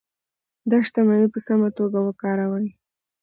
دا شتمني په سمه توګه وکاروئ.